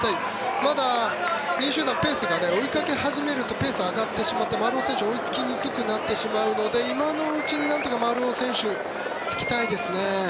まだ２位集団は追いかけ始めるとペースが上がり始めて丸尾選手が追いつきづらくなってしまうので今のうちになんとか丸尾選手つきたいですね。